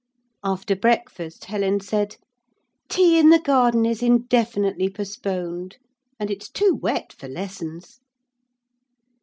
After breakfast Helen said, 'Tea in the garden is indefinitely postponed, and it's too wet for lessons.'